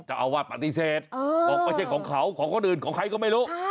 เจ้าอาวาสปฏิเสธบอกไม่ใช่ของเขาของคนอื่นของใครก็ไม่รู้